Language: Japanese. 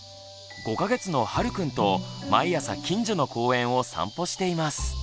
５か月のはるくんと毎朝近所の公園を散歩しています。